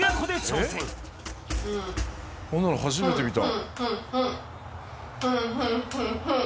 こんなの初めて見た。